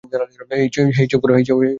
হেই, চুপ কর।